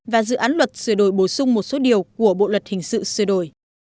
và dự án luật sửa đổi bổ sung một số điều của bộ luật hình sự sửa đổi